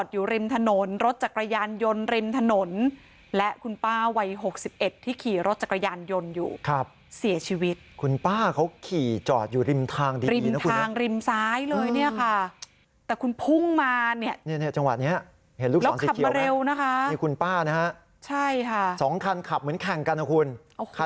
อยู่ริมถนนรถจักรยานยนต์ริมถนนและคุณป้าวัยหกสิบเอ็ดที่ขี่รถจักรยานยนต์อยู่ครับเสียชีวิตคุณป้าเขาขี่จอดอยู่ริมทางดีริมคุณทางริมซ้ายเลยเนี่ยค่ะแต่คุณพุ่งมาเนี่ยเนี่ยจังหวะนี้เห็นลูกค้าขับมาเร็วนะคะนี่คุณป้านะฮะใช่ค่ะสองคันขับเหมือนแข่งกันนะคุณ